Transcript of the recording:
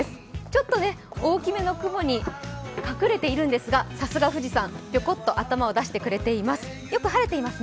ちょっと大きめの雲に隠れているんですが、さすが富士山、ぴょこっと頭を出してくれています。